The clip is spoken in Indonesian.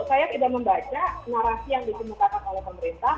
saya sudah membaca narasi yang ditemukan oleh pemerintah